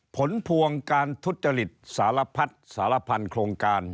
ผลพวงการทุจริตสารพัดสารพันโครงการ